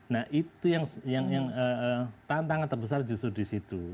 nah itu yang tantangan terbesar justru di situ